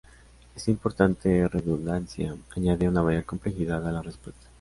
Esta importante redundancia añade una mayor complejidad a la respuesta.